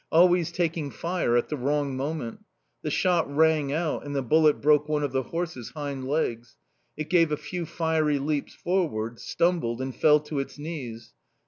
Always taking fire at the wrong moment! The shot rang out and the bullet broke one of the horse's hind legs. It gave a few fiery leaps forward, stumbled, and fell to its knees.